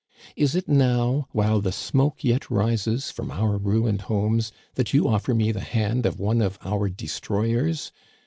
Is it now, while the smoke yet rises from our ruined homes, that you offer me the hand of one of our destroyers?